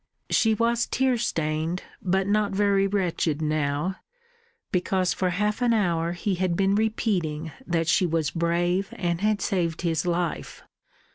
She was tear stained, but not very wretched now, because for half an hour he had been repeating that she was brave and had saved his life.